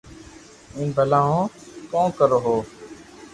ايم ڀلا ھون ڪو ڪرو ھون